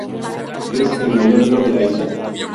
Es el mayor río de la isla.